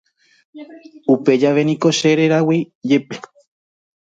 Upe jave niko che réragui jepe cheresaraipákuri.